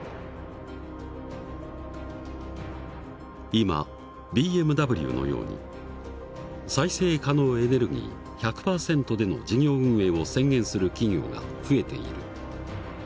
今ＢＭＷのように再生可能エネルギー１００％での事業運営を宣言する企業が増えている。